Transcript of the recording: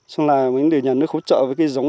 xong là mình được nhà nước hỗ trợ với cái giống